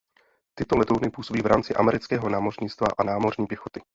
Tyto letouny působí v rámci amerického námořnictva a námořní pěchoty.